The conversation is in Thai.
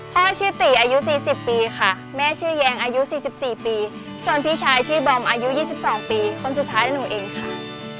พ่อชื่อตีอายุ๔๐ปีค่ะแม่ชื่อแยงอายุ๔๔ปีส่วนพี่ชายชื่อบอมอายุ๒๒ปีคนสุดท้ายหนูเองค่ะ